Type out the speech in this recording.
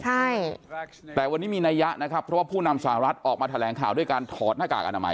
ใช่แต่วันนี้มีนัยยะนะครับเพราะว่าผู้นำสหรัฐออกมาแถลงข่าวด้วยการถอดหน้ากากอนามัย